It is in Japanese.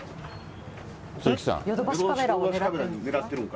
鈴木さん。